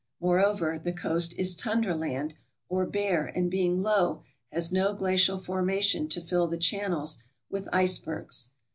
Moreover, the coast is "tundra" land, or bare, and being low, has no glacial formation to fill the channels with icebergs.